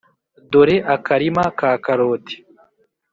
dore akarima ka karoti